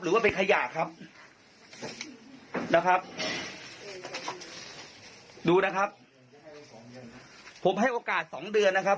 ว่าเป็นขยะครับนะครับดูนะครับผมให้โอกาสสองเดือนนะครับ